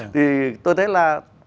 thì tôi thấy là